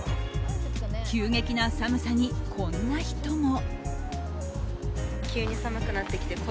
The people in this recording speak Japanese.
急激な寒さにこんな人も。